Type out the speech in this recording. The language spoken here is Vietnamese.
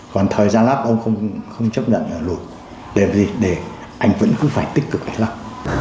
còn thời gian lắp ông không chấp nhận là lùi để gì để anh vẫn cứ phải tích cực lắp